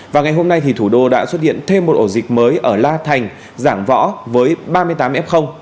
và ngày hôm nay thì thủ đô đã xuất hiện thêm một ổ dịch mới ở la thành giảng võ với ba mươi tám f